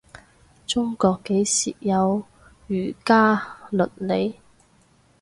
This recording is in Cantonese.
中國幾時有儒家倫理